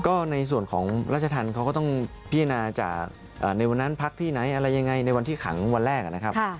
ก็ในส่วนของราชธรรมเขาก็ต้องพิจารณาจากในวันนั้นพักที่ไหนอะไรยังไงในวันที่ขังวันแรกนะครับ